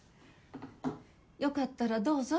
よかったらどうぞ。